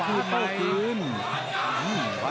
ด้วยมาก